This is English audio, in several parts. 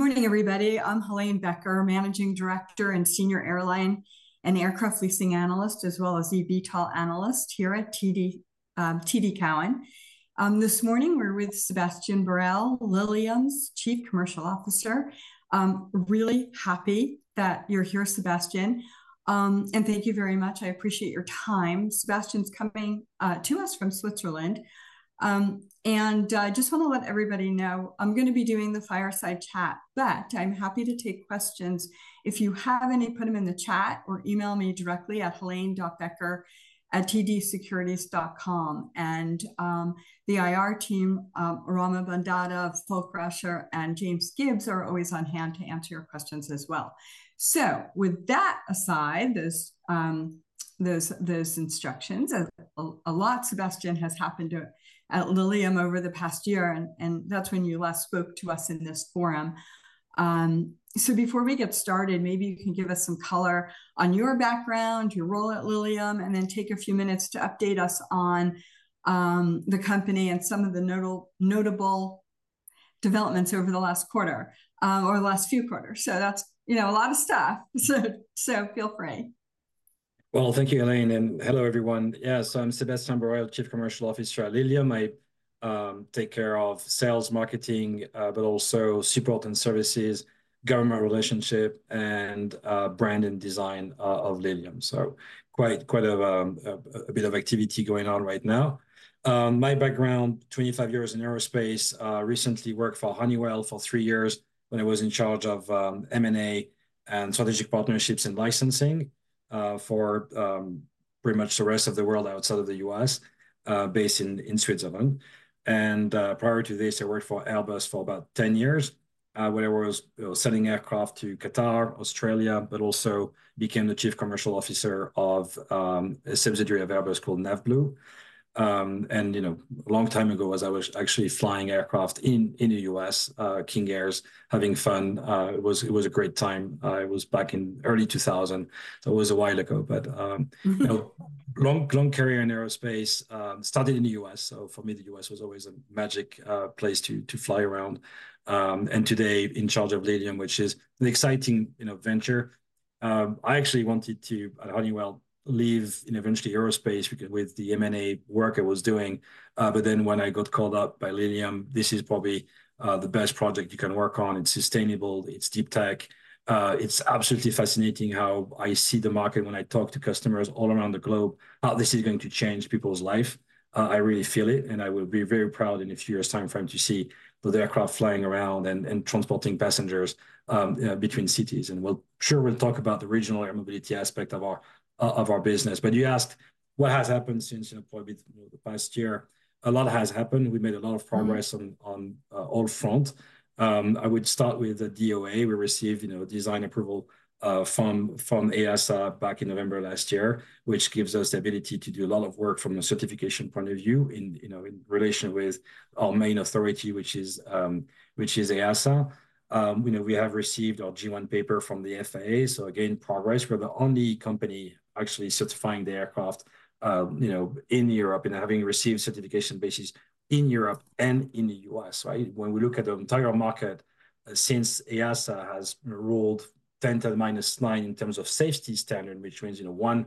Good morning, everybody. I'm Helane Becker, Managing Director and Senior Airline and Aircraft Leasing Analyst, as well as eVTOL Analyst here at TD, TD Cowen. This morning we're with Sebastien Borel, Lilium's Chief Commercial Officer. Really happy that you're here, Sebastien. And thank you very much, I appreciate your time. Sebastien's coming to us from Switzerland. And, I just wanna let everybody know, I'm gonna be doing the fireside chat, but I'm happy to take questions. If you have any, put them in the chat or email me directly at helane.becker@tdsecurities.com. And, the IR team, Rama Bondada, Folke Rauscher, and James Gibbs are always on hand to answer your questions as well. So, with that aside, those instructions, a lot, Sebastien, has happened at Lilium over the past year, and that's when you last spoke to us in this forum. So before we get started, maybe you can give us some color on your background, your role at Lilium, and then take a few minutes to update us on the company and some of the notable developments over the last quarter, or the last few quarters. So that's, you know, a lot of stuff, so feel free. Well, thank you, Helane, and hello, everyone. Yeah, so I'm Sebastien Borel, Chief Commercial Officer at Lilium. I take care of sales, marketing, but also support and services, government relationship, and, brand and design of Lilium. So quite a bit of activity going on right now. My background, 25 years in aerospace. Recently worked for Honeywell for three years, when I was in charge of M&A and strategic partnerships and licensing, for pretty much the rest of the world outside of the U.S., based in Switzerland. Prior to this, I worked for Airbus for about 10 years, when I was, you know, sending aircraft to Qatar, Australia, but also became the Chief Commercial Officer of a subsidiary of Airbus called NAVBLUE. And, you know, a long time ago I was actually flying aircraft in the U.S., King Airs, having fun. It was a great time. It was back in early 2000, so it was a while ago. But you know, long, long career in aerospace. Started in the U.S., so for me, the U.S. was always a magic place to fly around. And today in charge of Lilium, which is an exciting, you know, venture. I actually wanted to, at Honeywell, leave, you know, eventually aerospace because with the M&A work I was doing. But then when I got called up by Lilium, this is probably the best project you can work on. It's sustainable, it's deep tech. It's absolutely fascinating how I see the market when I talk to customers all around the globe, how this is going to change people's life. I really feel it, and I will be very proud in a few years' timeframe to see the aircraft flying around and transporting passengers between cities. And we'll talk about the regional air mobility aspect of our business. But you asked what has happened since, you know, probably the past year? A lot has happened. We made a lot of progress. Mm... on all fronts. I would start with the DOA. We received, you know, design approval from EASA back in November last year, which gives us the ability to do a lot of work from a certification point of view in, you know, in relation with our main authority, which is EASA. You know, we have received our G-1 paper from the FAA, so again, progress. We're the only company actually certifying the aircraft, you know, in Europe, and having received certification basis in Europe and in the US, right? When we look at the entire market, since EASA has ruled 10 to the minus nine in terms of safety standard, which means, you know, 1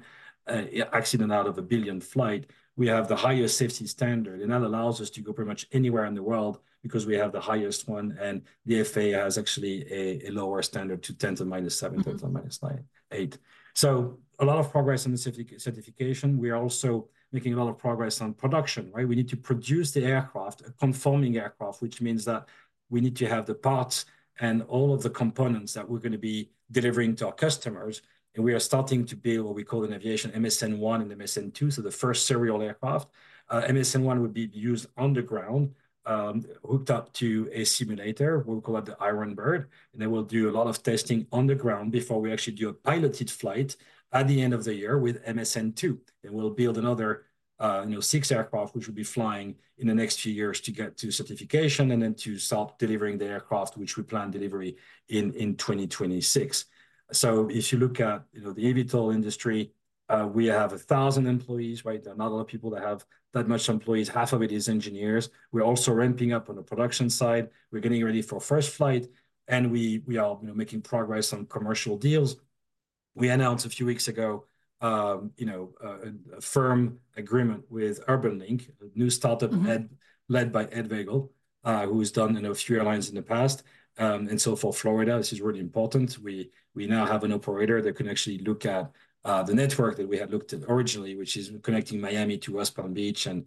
accident out of a billion flights, we have the highest safety standard. That allows us to go pretty much anywhere in the world because we have the highest one, and the FAA has actually a lower standard to 10^-7- Mm... 10^-9, eight. So a lot of progress on the certification. We are also making a lot of progress on production, right? We need to produce the aircraft, a conforming aircraft, which means that we need to have the parts and all of the components that we're gonna be delivering to our customers, and we are starting to build what we call in aviation MSN 1 and MSN 2, so the first serial aircraft. MSN 1 would be used on the ground, hooked up to a simulator, we'll call it the Iron Bird, and then we'll do a lot of testing on the ground before we actually do a piloted flight at the end of the year with MSN 2. Then we'll build another, you know, six aircraft, which will be flying in the next few years to get to certification, and then to start delivering the aircraft, which we plan delivery in, in 2026. So if you look at, you know, the eVTOL industry, we have 1,000 employees, right? There are not a lot of people that have that much employees. Half of it is engineers. We're also ramping up on the production side. We're getting ready for first flight, and we are, you know, making progress on commercial deals. We announced a few weeks ago, you know, a firm agreement with UrbanLink- Mm... a new startup led by Ed Wegel, who's done, you know, three airlines in the past. And so for Florida, this is really important. We now have an operator that can actually look at the network that we had looked at originally, which is connecting Miami to West Palm Beach, and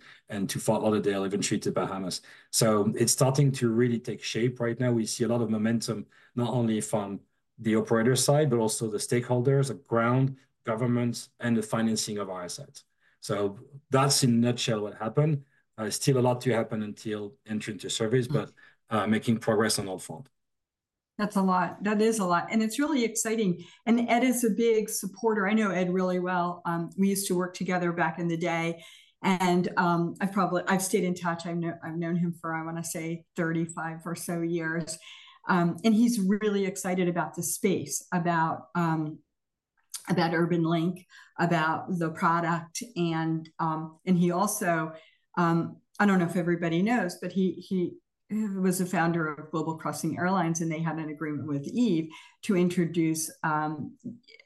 to Fort Lauderdale, even through to Bahamas. So it's starting to really take shape right now. We see a lot of momentum, not only from the operator side, but also the stakeholders, the ground, governments, and the financing of assets. So that's in a nutshell what happened. Still a lot to happen until entering to service- Mm... but making progress on all fronts. That's a lot. That is a lot, and it's really exciting. And Ed is a big supporter. I know Ed really well. We used to work together back in the day, and I've stayed in touch. I've known him for, I wanna say, 35 or so years. And he's really excited about the space, about UrbanLink, about the product, and he also, I don't know if everybody knows, but he was a founder of Global Crossing Airlines, and they had an agreement with Eve to introduce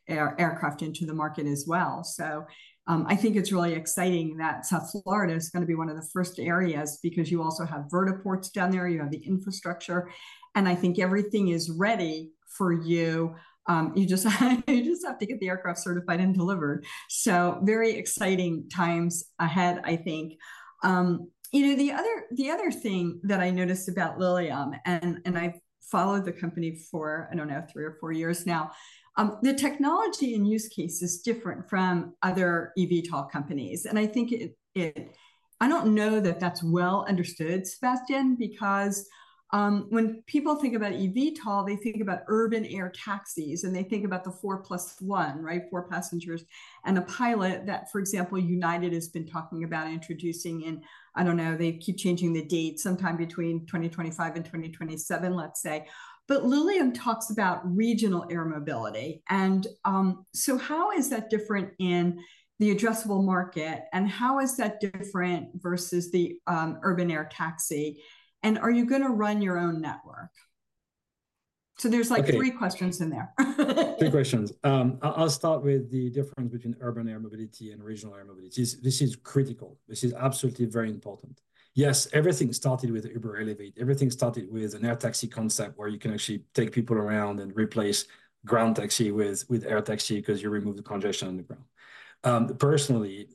aircraft into the market as well. So, I think it's really exciting that South Florida is gonna be one of the first areas, because you also have vertiports down there, you have the infrastructure, and I think everything is ready for you. You just have to get the aircraft certified and delivered. So very exciting times ahead, I think. You know, the other thing that I noticed about Lilium, and I've followed the company for, I don't know, three or four years now, the technology and use case is different from other EVTOL companies. I think I don't know that that's well understood, Sebastien, because, when people think about EVTOL, they think about urban air taxis, and they think about the 4+1, right? four passengers and a pilot that, for example, United has been talking about introducing in, I don't know, they keep changing the date, sometime between 2025 and 2027, let's say. But Lilium talks about regional air mobility, and so how is that different in the addressable market, and how is that different versus the urban air taxi? And are you gonna run your own network? So there's, like- Okay.... three questions in there. Three questions. I'll start with the difference between urban air mobility and regional air mobility. This is critical. This is absolutely very important. Yes, everything started with Uber Elevate. Everything started with an air taxi concept, where you can actually take people around and replace ground taxi with air taxi 'cause you remove the congestion on the ground. Personally,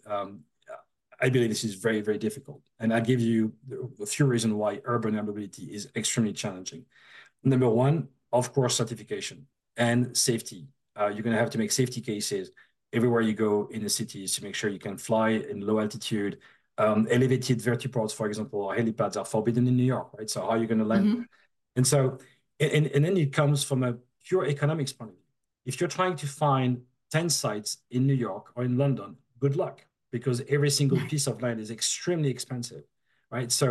I believe this is very, very difficult, and I give you a few reason why urban air mobility is extremely challenging. Number one, of course, certification and safety. You're gonna have to make safety cases everywhere you go in the cities to make sure you can fly in low altitude. Elevated vertiports, for example, or helipads, are forbidden in New York, right? So how are you gonna land? Mm-hmm. And so, then it comes from a pure economics point of view. If you're trying to find 10 sites in New York or in London, good luck, because every single- Yeah... piece of land is extremely expensive, right? So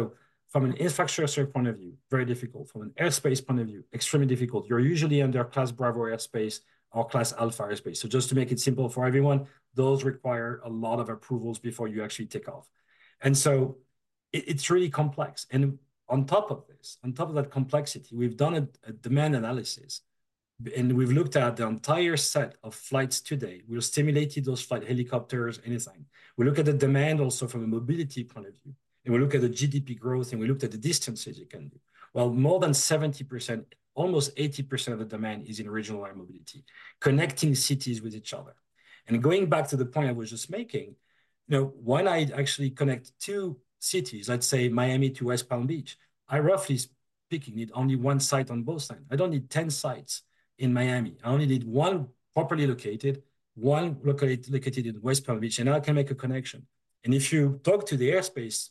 from an infrastructure point of view, very difficult. From an airspace point of view, extremely difficult. You're usually under Class Bravo airspace or Class Alpha airspace, so just to make it simple for everyone, those require a lot of approvals before you actually take off, and so it's really complex. On top of this, on top of that complexity, we've done a demand analysis, and we've looked at the entire set of flights today. We've simulated those flight, helicopters, anything. We look at the demand also from a mobility point of view, and we look at the GDP growth, and we looked at the distances you can do. Well, more than 70%, almost 80% of the demand is in regional air mobility, connecting cities with each other. Going back to the point I was just making, you know, when I actually connect two cities, let's say Miami to West Palm Beach, I roughly speaking need only one site on both sides. I don't need 10 sites in Miami. I only need one properly located, one locally located in West Palm Beach, and I can make a connection. If you talk to the airspace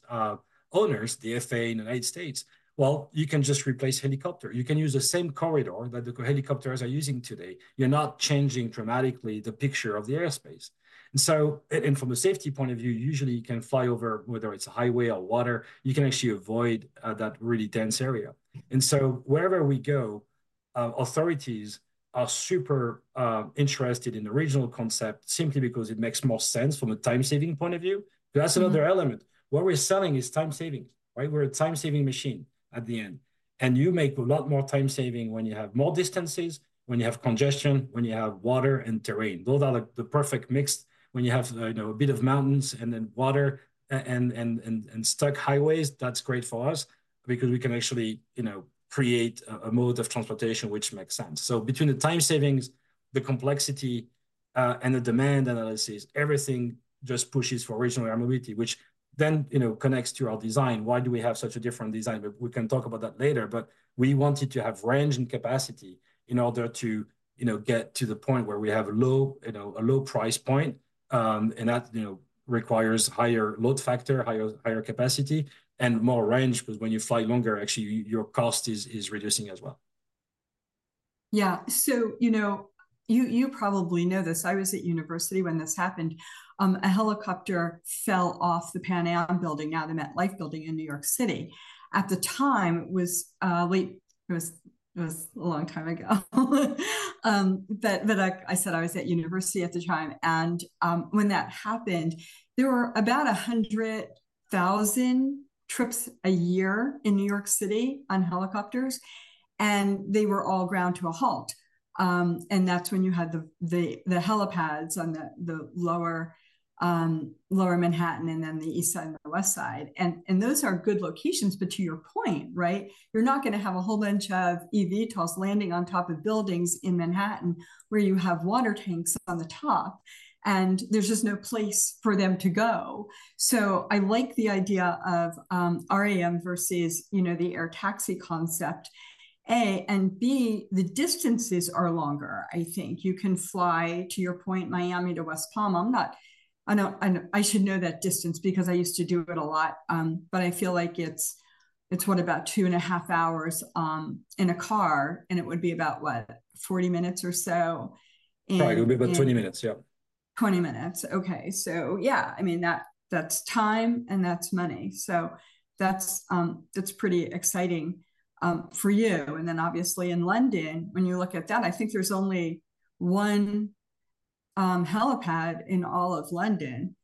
owners, the FAA in the United States, well, you can just replace helicopter. You can use the same corridor that the helicopters are using today. You're not changing dramatically the picture of the airspace. So, from a safety point of view, usually you can fly over whether it's a highway or water, you can actually avoid that really dense area. Wherever we go, authorities are super interested in the regional concept simply because it makes more sense from a time-saving point of view. Mm-hmm. That's another element. What we're selling is time saving, right? We're a time-saving machine at the end, and you make a lot more time saving when you have more distances, when you have congestion, when you have water and terrain. Those are the perfect mix. When you have, you know, a bit of mountains and then water and stuck highways, that's great for us because we can actually, you know, create a mode of transportation which makes sense. So between the time savings, the complexity, and the demand analysis, everything just pushes for regional air mobility, which then, you know, connects to our design. Why do we have such a different design? But we can talk about that later. But we wanted to have range and capacity in order to, you know, get to the point where we have a low, you know, a low price point. And that, you know, requires higher load factor, higher, higher capacity, and more range, 'cause when you fly longer, actually your cost is, is reducing as well. Yeah. So, you know, you probably know this. I was at university when this happened. A helicopter fell off the Pan Am Building, now the MetLife Building, in New York City. At the time, it was a long time ago. But like I said, I was at university at the time, and when that happened, there were about 100,000 trips a year in New York City on helicopters, and they were all ground to a halt. And that's when you had the helipads on the Lower Manhattan, and then the East Side and the West Side. Those are good locations, but to your point, right, you're not gonna have a whole bunch of eVTOLs landing on top of buildings in Manhattan, where you have water tanks on the top, and there's just no place for them to go. So I like the idea of AAM versus, you know, the air taxi concept, A, and B, the distances are longer, I think. You can fly, to your point, Miami to West Palm. I know, I know, I should know that distance because I used to do it a lot. But I feel like it's what, about 2.5 hours in a car, and it would be about what, 40 minutes or so? And, and- Probably it would be about 20 minutes, yeah. ... 20 minutes. Okay, so yeah, I mean, that, that's time, and that's money. So that's, that's pretty exciting, for you. And then obviously in London, when you look at that, I think there's only one, helipad in all of London,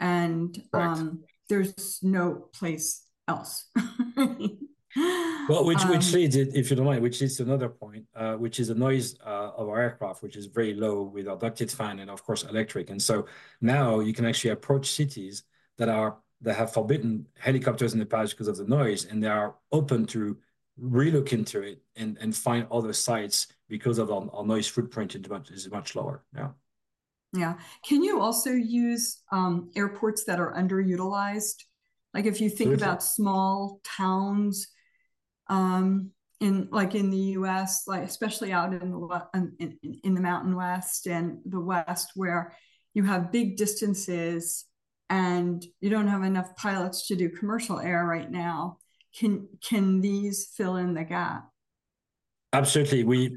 and, Correct... there's no place else. Well, which, which leads, if you don't mind, which leads to another point, which is the noise of our aircraft, which is very low with our ducted fan, and of course, electric. And so now you can actually approach cities that are that have forbidden helicopters in the past because of the noise, and they are open to re-looking through it and, and find other sites because of our, our noise footprint is much, is much lower. Yeah. Yeah. Can you also use airports that are underutilized? Absolutely. Like, if you think about small towns, in, like in the U.S., like especially out in the mountain West and the West, where you have big distances, and you don't have enough pilots to do commercial air right now, can these fill in the gap? Absolutely.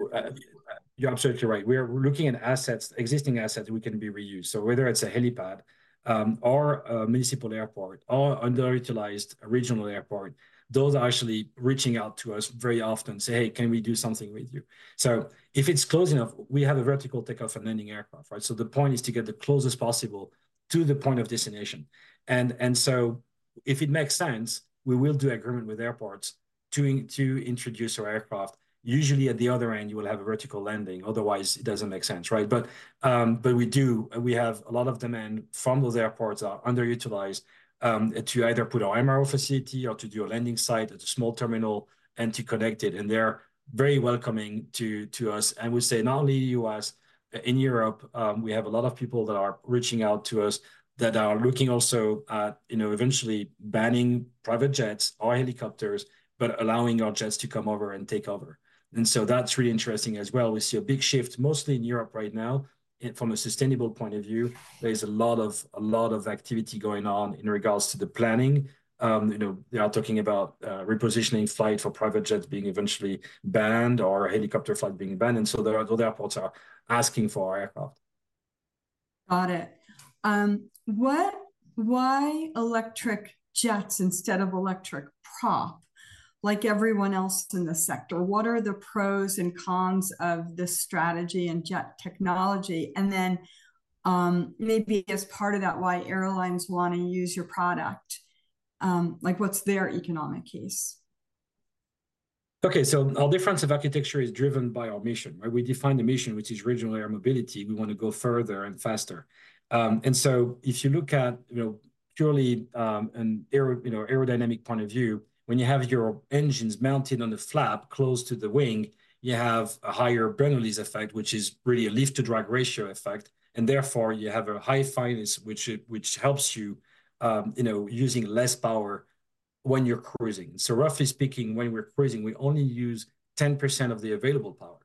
You're absolutely right. We're looking at assets, existing assets we can reuse. So whether it's a helipad, or a municipal airport or underutilized regional airport, those are actually reaching out to us very often, say: "Hey, can we do something with you?" So if it's close enough, we have a vertical takeoff and landing aircraft, right? So the point is to get the closest possible to the point of destination. So if it makes sense, we will do agreement with airports to introduce our aircraft. Usually at the other end, you will have a vertical landing, otherwise it doesn't make sense, right? But we do, we have a lot of demand from those airports are underutilized, to either put our MRO facility or to do a landing site at a small terminal and to connect it, and they're very welcoming to us. I would say not only U.S., in Europe, we have a lot of people that are reaching out to us that are looking also at, you know, eventually banning private jets or helicopters, but allowing our jets to come over and take over. And so that's really interesting as well. We see a big shift, mostly in Europe right now. And from a sustainable point of view, there's a lot of, a lot of activity going on in regards to the planning. You know, they are talking about repositioning flight for private jets being eventually banned or helicopter flight being banned, and so the other airports are asking for our aircraft. Got it. What, why electric jets instead of electric prop like everyone else in the sector? What are the pros and cons of this strategy and jet technology? Then, maybe as part of that, why airlines want to use your product, like, what's their economic case? Okay, so our difference of architecture is driven by our mission, right? We define the mission, which is regional air mobility. We want to go further and faster. And so if you look at, you know, purely, an aero, you know, aerodynamic point of view, when you have your engines mounted on the flap close to the wing, you have a higher Bernoulli's effect, which is really a lift-to-drag ratio effect, and therefore, you have a high fineness, which, which helps you, you know, using less power when you're cruising. So roughly speaking, when we're cruising, we only use 10% of the available power,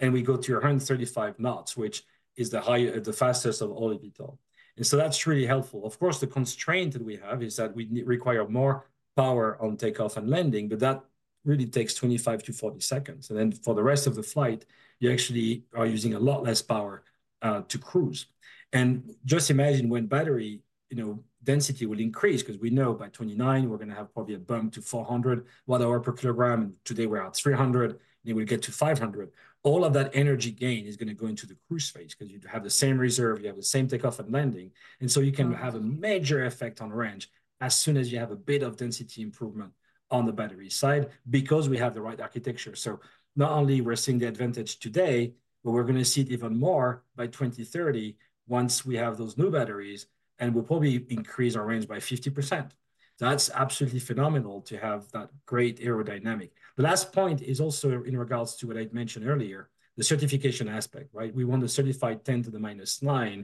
and we go to 135 knots, which is the higher, the fastest of all eVTOL. And so that's really helpful. Of course, the constraint that we have is that we require more power on takeoff and landing, but that really takes 25-40 seconds. And then for the rest of the flight, you actually are using a lot less power to cruise. And just imagine when battery, you know, density will increase, 'cause we know by 2029 we're gonna have probably a bump to 400 watt-hours per kilogram, and today we're at 300, and we'll get to 500. All of that energy gain is gonna go into the cruise phase, 'cause you have the same reserve, you have the same takeoff and landing. Right. And so you can have a major effect on range as soon as you have a bit of density improvement on the battery side, because we have the right architecture. So not only we're seeing the advantage today, but we're gonna see it even more by 2030 once we have those new batteries, and we'll probably increase our range by 50%. That's absolutely phenomenal to have that great aerodynamic. The last point is also in regards to what I'd mentioned earlier, the certification aspect, right? We want to certify 10^-9. Mm-hmm...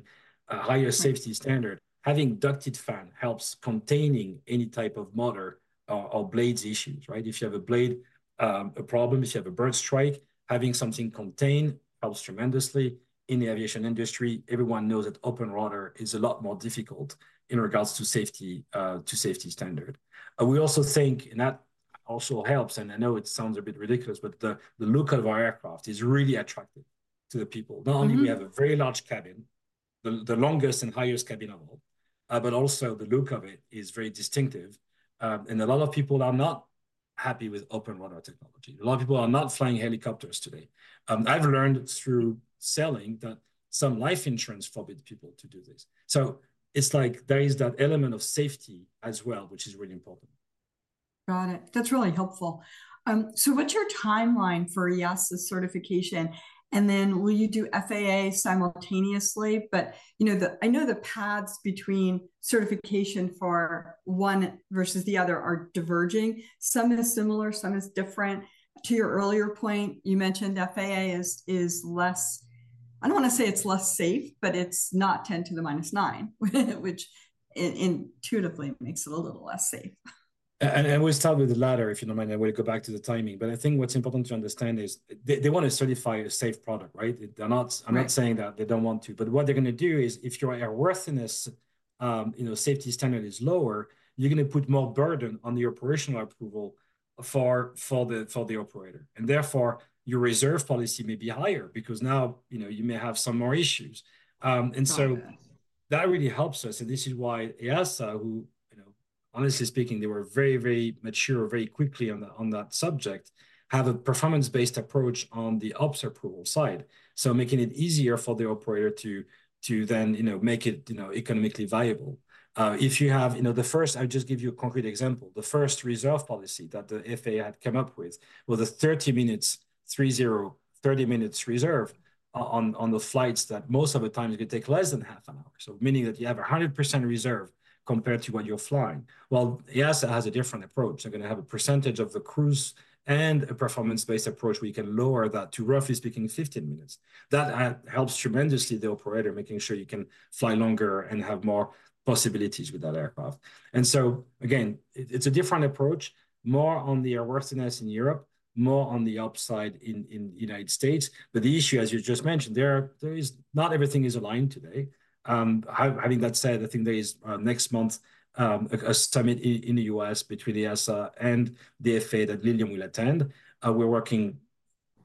higher safety standard. Having ducted fan helps containing any type of motor or blades issues, right? If you have a blade, a problem, if you have a bird strike, having something contained helps tremendously. In the aviation industry, everyone knows that open rotor is a lot more difficult in regards to safety, to safety standard. And we also think, and that also helps, and I know it sounds a bit ridiculous, but the look of our aircraft is really attractive to the people. Mm-hmm. Not only we have a very large cabin, the longest and highest cabin of all, but also the look of it is very distinctive. A lot of people are not happy with open rotor technology. A lot of people are not flying helicopters today. I've learned through selling that some life insurance forbid people to do this. So it's like there is that element of safety as well, which is really important. Got it. That's really helpful. So what's your timeline for EASA certification, and then will you do FAA simultaneously? But, you know, I know the paths between certification for one versus the other are diverging. Some is similar, some is different. To your earlier point, you mentioned FAA is less... I don't wanna say it's less safe, but it's not 10^-9, which intuitively makes it a little less safe. And we'll start with the latter, if you don't mind. I wanna go back to the timing, but I think what's important to understand is they, they wanna certify a safe product, right? They're not- Right... I'm not saying that they don't want to, but what they're gonna do is, if your airworthiness, you know, safety standard is lower, you're gonna put more burden on the operational approval for the operator. And therefore, your reserve policy may be higher, because now, you know, you may have some more issues. And so- Got it. That really helps us, and this is why EASA, who, you know, honestly speaking, they were very, very mature very quickly on that, on that subject, have a performance-based approach on the ops approval side, so making it easier for the operator to, to then, you know, make it, you know, economically viable. If you have, you know, the first. I'll just give you a concrete example. The first reserve policy that the FAA had come up with was a 30 minutes, three zero, 30 minutes reserve on, on the flights that most of the time it could take less than half an hour, so meaning that you have 100% reserve compared to what you're flying. Well, EASA has a different approach. They're gonna have a percentage of the cruise and a performance-based approach where you can lower that to, roughly speaking, 15 minutes. That helps tremendously the operator, making sure you can fly longer and have more possibilities with that aircraft. And so, again, it's a different approach, more on the airworthiness in Europe, more on the ops side in the United States. But the issue, as you just mentioned, there is not everything is aligned today. Having that said, I think there is next month, a summit in the U.S. between the EASA and the FAA that Lilium will attend. We're working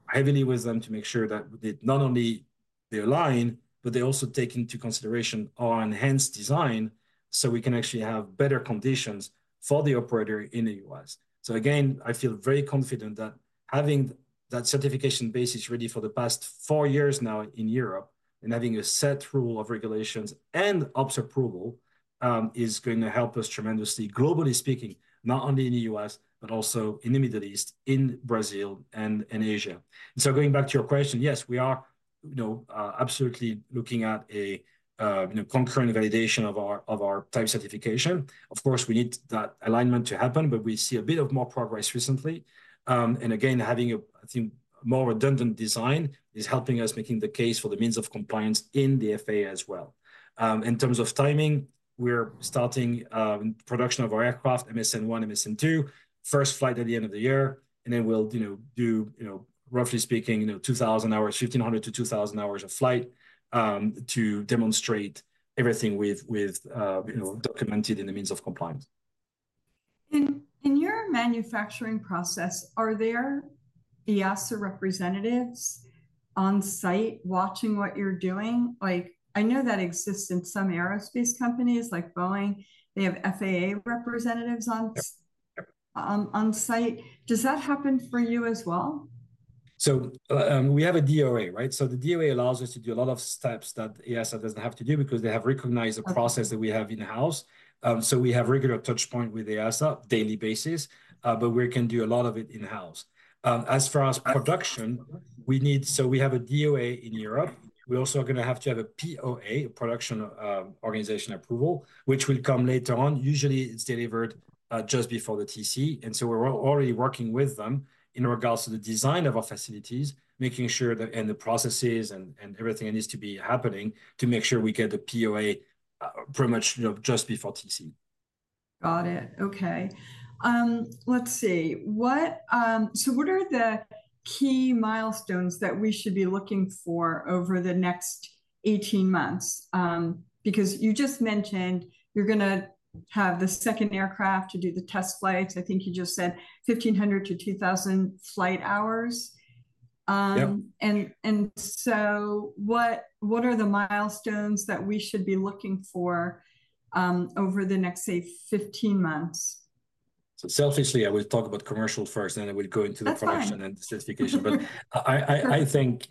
heavily with them to make sure that they not only they align, but they also take into consideration our enhanced design so we can actually have better conditions for the operator in the U.S. So again, I feel very confident that having that certification basis ready for the past four years now in Europe, and having a set rule of regulations and ops approval, is going to help us tremendously, globally speaking, not only in the U.S., but also in the Middle East, in Brazil, and in Asia. So going back to your question, yes, we are, you know, absolutely looking at a you know, concurrent validation of our type certification. Of course, we need that alignment to happen, but we see a bit of more progress recently. And again, having a I think, more redundant design is helping us making the case for the means of compliance in the FAA as well. In terms of timing, we're starting production of our aircraft, MSN 1, MSN 2, first flight at the end of the year, and then we'll, you know, do, you know, roughly speaking, you know, 2,000 hours, 1,500-2,000 hours of flight to demonstrate everything with, with you know- Got it... documented in the means of compliance. In your manufacturing process, are there EASA representatives on site watching what you're doing? Like, I know that exists in some aerospace companies, like Boeing, they have FAA representatives on- Yep, yep... on site. Does that happen for you as well? We have a DOA, right? So the DOA allows us to do a lot of steps that EASA doesn't have to do because they have recognized... Okay... the process that we have in-house. So we have regular touch point with EASA, daily basis, but we can do a lot of it in-house. As far as production, we need so we have a DOA in Europe. We're also gonna have to have a POA, a production organization approval, which will come later on. Usually, it's delivered just before the TC, and so we're already working with them in regards to the design of our facilities, making sure that, and the processes and, and everything that needs to be happening, to make sure we get the POA, pretty much, you know, just before TC. Got it. Okay. Let's see. What, so what are the key milestones that we should be looking for over the next 18 months? Because you just mentioned you're gonna have the second aircraft to do the test flights. I think you just said 1,500-2,000 flight hours. Yep. So what are the milestones that we should be looking for over the next, say, 15 months? So, selfishly, I will talk about commercial first, and then I will go into the production- That's fine... and the certification. But I think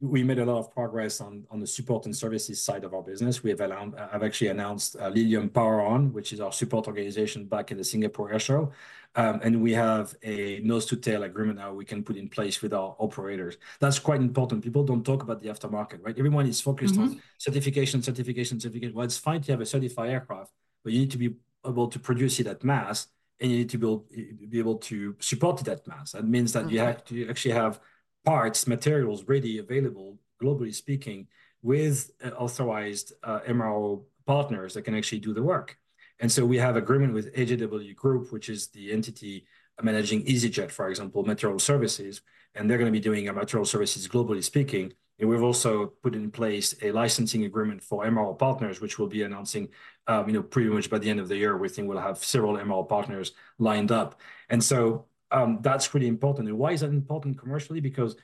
we made a lot of progress on the support and services side of our business. We have announced. I've actually announced Lilium Power On, which is our support organization back in the Singapore Airshow. And we have a nose-to-tail agreement now we can put in place with our operators. That's quite important. People don't talk about the aftermarket, right? Everyone is focused on- Mm-hmm... certification, certification, certification. Well, it's fine to have a certified aircraft, but you need to be able to produce it at mass, and you need to build, be able to support that mass. Okay. That means that you have to actually have parts, materials ready, available, globally speaking, with authorized MRO partners that can actually do the work. And so we have agreement with AJW Group, which is the entity managing easyJet, for example, material services, and they're gonna be doing our material services, globally speaking. And we've also put in place a licensing agreement for MRO partners, which we'll be announcing, you know, pretty much by the end of the year, we think we'll have several MRO partners lined up. And so that's pretty important. And why is that important commercially? Because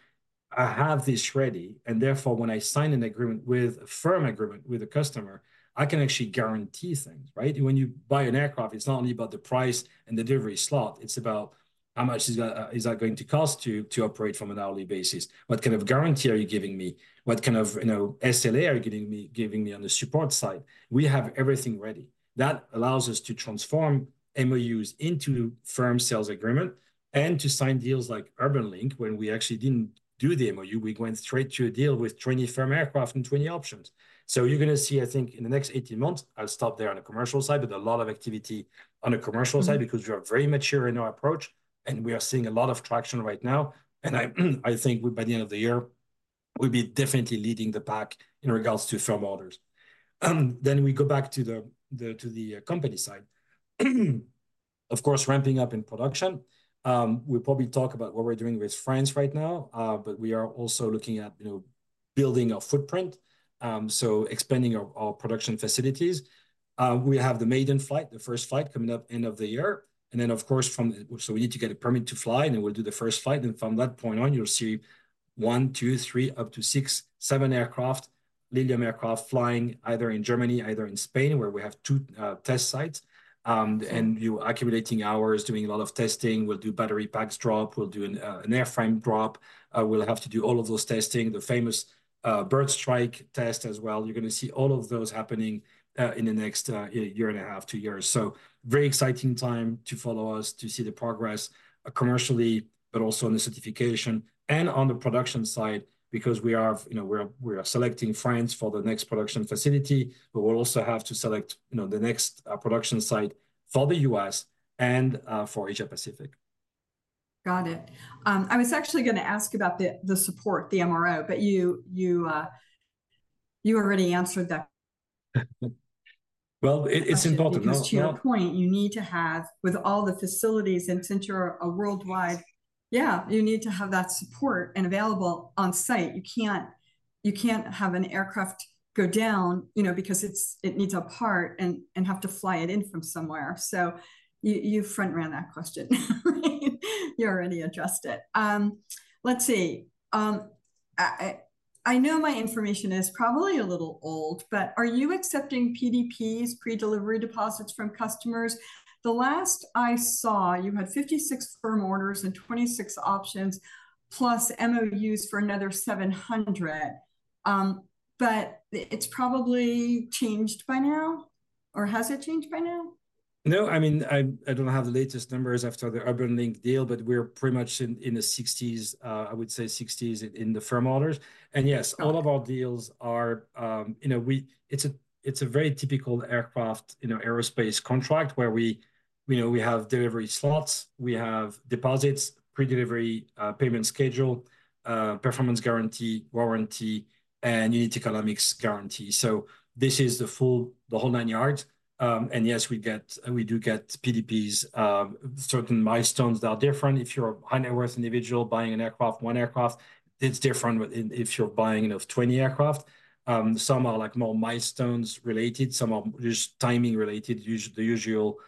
I have this ready, and therefore, when I sign an agreement with a firm agreement with a customer, I can actually guarantee things, right? When you buy an aircraft, it's not only about the price and the delivery slot, it's about how much is that going to cost to operate from an hourly basis? What kind of guarantee are you giving me? What kind of, you know, SLA are you giving me on the support side? We have everything ready. That allows us to transform MOUs into firm sales agreement, and to sign deals like UrbanLink, when we actually didn't do the MOU, we went straight to a deal with 20 firm aircraft and 20 options. So you're gonna see, I think, in the next 18 months, I'll stop there on the commercial side, but a lot of activity on the commercial side- Mm-hmm... because we are very mature in our approach, and we are seeing a lot of traction right now, and I think we, by the end of the year, will be definitely leading the pack in regards to firm orders. Then we go back to the company side.... of course, ramping up in production. We'll probably talk about what we're doing with France right now, but we are also looking at, you know, building a footprint, so expanding our production facilities. We have the maiden flight, the first flight, coming up end of the year, and then, of course, so we need to get a permit to fly, and then we'll do the first flight, and from that point on, you'll see 1, 2, 3, up to 6, 7 aircraft, Lilium aircraft, flying either in Germany, either in Spain, where we have two test sites. And you're accumulating hours, doing a lot of testing. We'll do battery packs drop, we'll do an airframe drop. We'll have to do all of those testing, the famous bird strike test as well. You're gonna see all of those happening in the next year and a half, two years. So very exciting time to follow us, to see the progress commercially, but also on the certification and on the production side, because we are, you know, we're selecting France for the next production facility, but we'll also have to select, you know, the next production site for the U.S. and for Asia Pacific. Got it. I was actually gonna ask about the support, the MRO, but you already answered that. Well, it's important, Because to your point, you need to have, with all the facilities, and since you're a worldwide... Yeah, you need to have that support and available on-site. You can't, you can't have an aircraft go down, you know, because it needs a part, and have to fly it in from somewhere. So you, you front-ran that question. You already addressed it. Let's see, I know my information is probably a little old, but are you accepting PDPs, pre-delivery deposits, from customers? The last I saw, you had 56 firm orders and 26 options, plus MOUs for another 700. But it's probably changed by now, or has it changed by now? No. I mean, I don't have the latest numbers after the UrbanLink deal, but we're pretty much in the 60s, I would say 60s in the firm orders. And yes- Okay... all of our deals are. You know, it's a very typical aircraft, you know, aerospace contract where we, you know, we have delivery slots, we have deposits, pre-delivery payment schedule, performance guarantee, warranty, and unit economics guarantee. So this is the whole nine yards. And yes, we do get PDPs. Certain milestones are different. If you're a high-net-worth individual buying an aircraft, one aircraft, it's different than if you're buying, you know, 20 aircraft. Some are, like, more milestones related, some are just timing related. The usual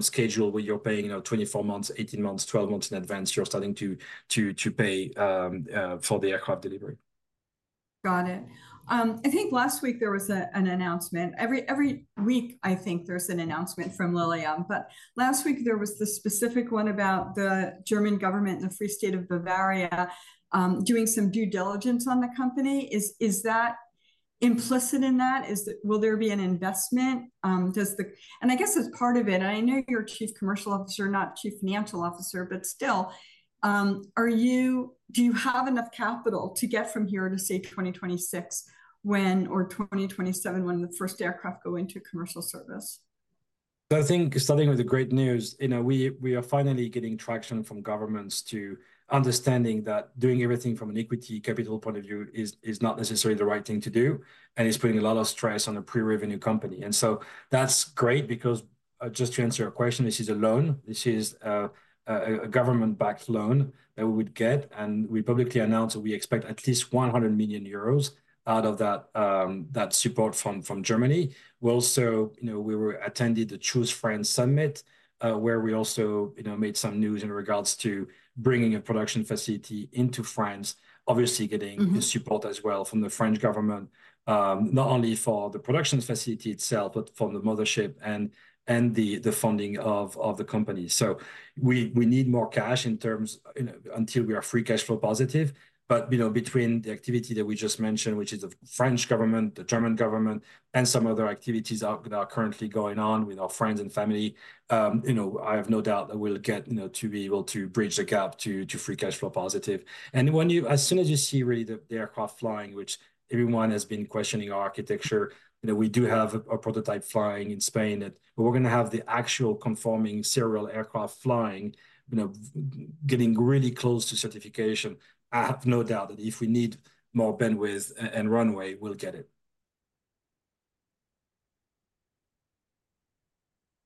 schedule, where you're paying, you know, 24 months, 18 months, 12 months in advance, you're starting to pay for the aircraft delivery. Got it. I think last week there was an announcement. Every week, I think there's an announcement from Lilium, but last week there was the specific one about the German government and the Free State of Bavaria doing some due diligence on the company. Is that implicit in that? Will there be an investment? And I guess as part of it, I know you're Chief Commercial Officer, not Chief Financial Officer, but still, do you have enough capital to get from here to, say, 2026 when, or 2027, when the first aircraft go into commercial service? I think starting with the great news, you know, we are finally getting traction from governments to understanding that doing everything from an equity capital point of view is not necessarily the right thing to do, and it's putting a lot of stress on a pre-revenue company. So that's great because just to answer your question, this is a loan. This is a government-backed loan that we would get, and we publicly announced that we expect at least 100 million euros out of that support from Germany. We also, you know, we attended the Choose France summit, where we also, you know, made some news in regards to bringing a production facility into France. Obviously- Mm-hmm... getting the support as well from the French government, not only for the production facility itself, but for the mothership and the funding of the company. So we need more cash in terms... You know, until we are free cash flow positive. But, you know, between the activity that we just mentioned, which is the French government, the German government, and some other activities that are currently going on with our friends and family, you know, I have no doubt that we'll get, you know, to be able to bridge the gap to free cash flow positive. And as soon as you see, really, the aircraft flying, which everyone has been questioning our architecture, you know, we do have a prototype flying in Spain, but we're gonna have the actual conforming serial aircraft flying, you know, getting really close to certification. I have no doubt that if we need more bandwidth and runway, we'll get it.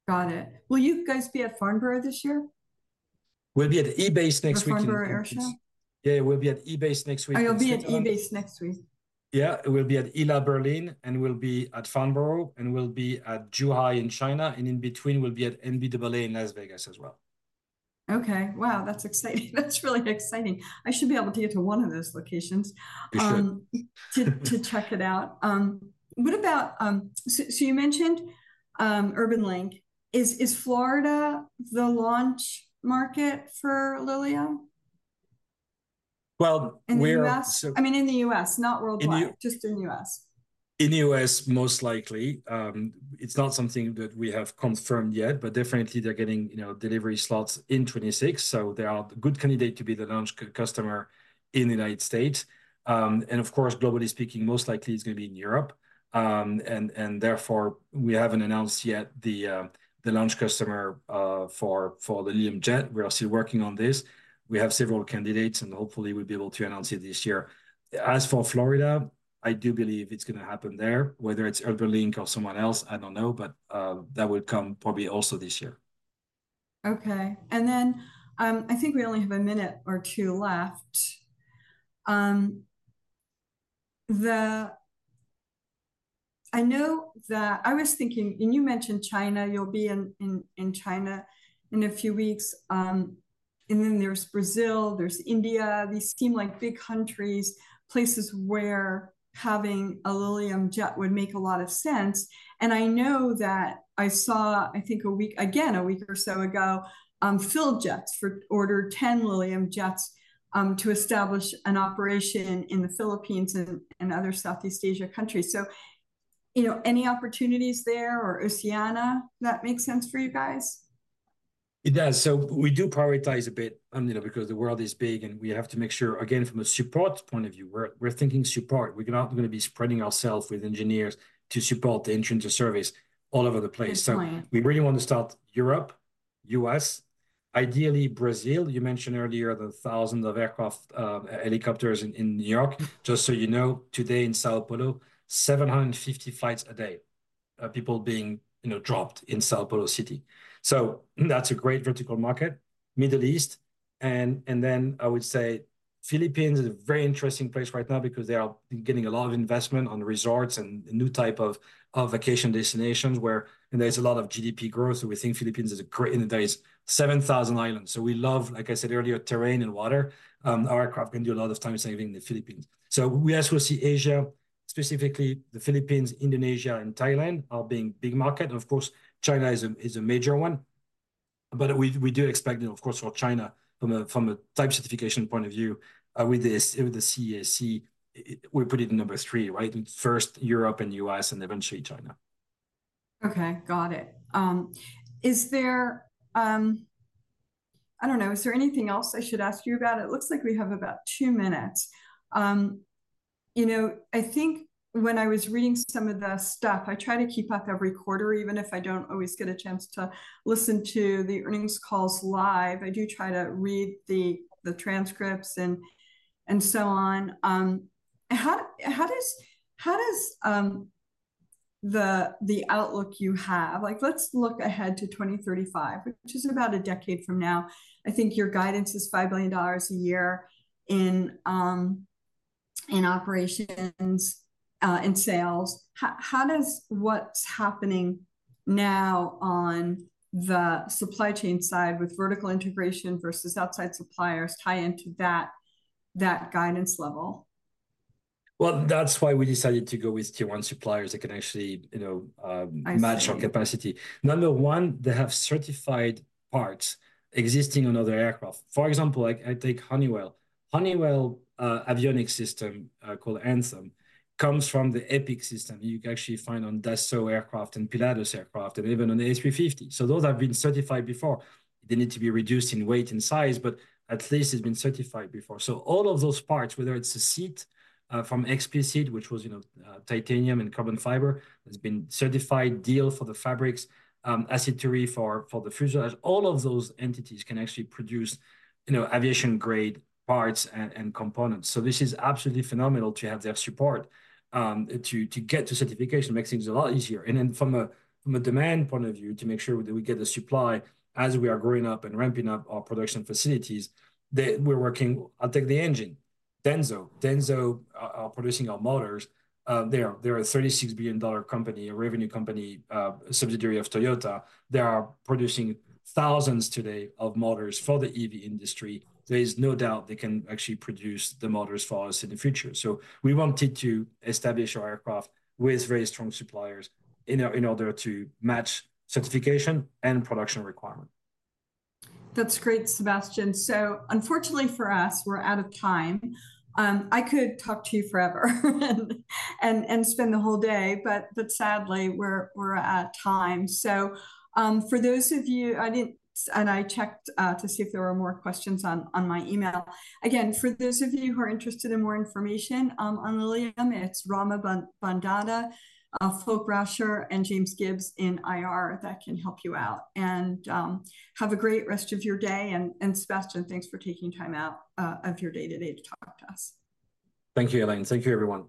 Got it. Will you guys be at Farnborough this year? We'll be at EBACE next week and- The Farnborough Airshow? Yeah, we'll be at EBACE next week, and- Oh, you'll be at EBACE next week. Yeah, we'll be at ILA Berlin, and we'll be at Farnborough, and we'll be at Zhuhai in China, and in between, we'll be at NBAA in Las Vegas as well. Okay. Wow, that's exciting. That's really exciting. I should be able to get to one of those locations- You should.... to check it out. What about... so you mentioned UrbanLink. Is Florida the launch market for Lilium? Well, we are so- In the U.S.? I mean, in the U.S., not worldwide- In the-... just in the U.S. In the US, most likely. It's not something that we have confirmed yet, but definitely they're getting, you know, delivery slots in 2026, so they are a good candidate to be the launch customer in the United States. And of course, globally speaking, most likely it's gonna be in Europe. And therefore, we haven't announced yet the launch customer for the Lilium Jet. We are still working on this. We have several candidates, and hopefully we'll be able to announce it this year. As for Florida... I do believe it's gonna happen there, whether it's UrbanLink or someone else, I don't know, but that will come probably also this year. Okay, and then I think we only have a minute or two left. I know that I was thinking, and you mentioned China, you'll be in China in a few weeks, and then there's Brazil, there's India. These seem like big countries, places where having a Lilium Jet would make a lot of sense, and I know that I saw, I think, a week or so ago, PhilJets ordered 10 Lilium Jets, to establish an operation in the Philippines and other Southeast Asia countries. So, you know, any opportunities there or Oceania that makes sense for you guys? It does. So we do prioritize a bit, you know, because the world is big, and we have to make sure, again, from a support point of view, we're thinking support. We're not gonna be spreading ourselves with engineers to support the entrance of service all over the place. That's right. So we really want to start Europe, U.S., ideally Brazil. You mentioned earlier the thousands of aircraft, helicopters in New York. Just so you know, today in São Paulo, 750 flights a day, people being, you know, dropped in São Paulo City. So that's a great vertical market. Middle East, and then I would say Philippines is a very interesting place right now because they are getting a lot of investment on resorts and new type of vacation destinations, where... And there's a lot of GDP growth, so we think Philippines is a great- And there is 7,000 islands, so we love, like I said earlier, terrain and water. Our aircraft can do a lot of time saving in the Philippines. So we also see Asia, specifically the Philippines, Indonesia, and Thailand, are being big market. Of course, China is a major one, but we do expect, of course, for China from a type certification point of view, with the CAAC, we put it in number 3, right? First, Europe and U.S., and eventually China. Okay, got it. Is there, I don't know, is there anything else I should ask you about? It looks like we have about two minutes. You know, I think when I was reading some of the stuff, I try to keep up every quarter, even if I don't always get a chance to listen to the earnings calls live, I do try to read the transcripts and so on. How does the outlook you have, like, let's look ahead to 2035, which is about a decade from now. I think your guidance is $5 billion a year in operations and sales. How does what's happening now on the supply chain side with vertical integration versus outside suppliers tie into that guidance level? Well, that's why we decided to go with Tier 1 suppliers that can actually, you know, I see... match our capacity. Number one, they have certified parts existing on other aircraft. For example, like I take Honeywell. Honeywell avionics system called Anthem comes from the Epic system you can actually find on Dassault aircraft and Pilatus aircraft, and even on the A350. So those have been certified before. They need to be reduced in weight and size, but at least it's been certified before. So all of those parts, whether it's a seat from Expliseat, which was, you know, titanium and carbon fiber, has been certified. Diehl for the fabrics, Aciturri for the fuselage. All of those entities can actually produce, you know, aviation-grade parts and components. So this is absolutely phenomenal to have their support to get to certification makes things a lot easier. And then from a demand point of view, to make sure that we get the supply as we are growing up and ramping up our production facilities, we're working. I'll take the engine, Denso. Denso are producing our motors. They are, they're a $36 billion revenue company, subsidiary of Toyota. They are producing thousands today of motors for the EV industry. There is no doubt they can actually produce the motors for us in the future. So we wanted to establish our aircraft with very strong suppliers in order to match certification and production requirement. That's great, Sébastien. So unfortunately for us, we're out of time. I could talk to you forever and spend the whole day, but sadly, we're at time. So, for those of you, I checked to see if there were more questions on my email. Again, for those of you who are interested in more information on Lilium, it's Rama Bondada, Folke Rauscher, and James Gibbs in IR that can help you out. Have a great rest of your day, and Sébastien, thanks for taking time out of your day-to-day to talk to us. Thank you, Helane. Thank you, everyone.